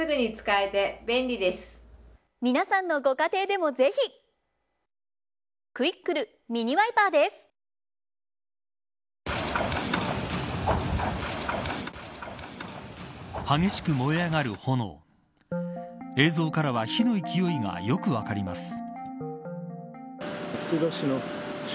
火事が起きたのは激しく燃え上がる炎映像からは火の勢いがよく分かります。